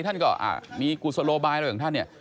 ท่านก็อ่ะมีกุศโลบายของท่านเนี่ย